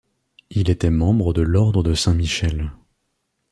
Il était membre de l'ordre de Saint-Michel.